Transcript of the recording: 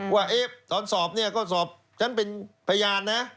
ว่าตอนสอบเนี่ยก็สอบฉันเป็นพยานนะ